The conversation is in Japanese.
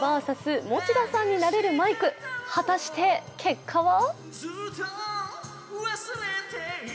ｖｓ持田さんになれるマイク、果たして結果は？